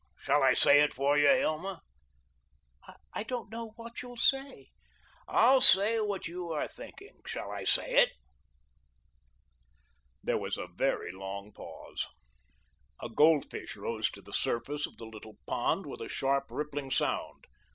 Shall I say it for you, Hilma?" "I don't know what you'll say." "I'll say what you are thinking of. Shall I say it?" There was a very long pause. A goldfish rose to the surface of the little pond, with a sharp, rippling sound.